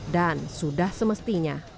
dan sudah semestinya